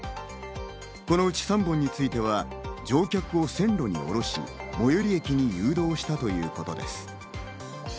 このうち３本については、乗客曲を線路に降ろし、最寄駅に誘導したということです。